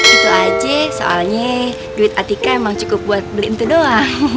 itu aja soalnya duit atika emang cukup buat beli itu doang